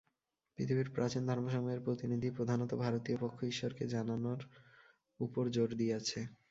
পৃথিবীর প্রাচীন ধর্মসমূহের প্রতিনিধি, প্রধানত ভারতীয় পক্ষ ঈশ্বরকে জানার উপর জোর দিয়াছে।